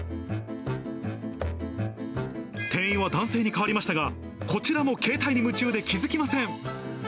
店員は男性に変わりましたが、こちらも携帯に夢中で気付きません。